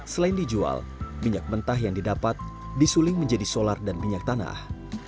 selain dijual minyak mentah yang didapat disuling menjadi solar dan minyak tanah